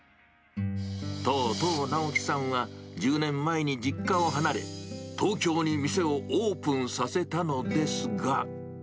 とうとう直樹さんは、１０年前に実家を離れ、東京に店をオープンさせたのですが。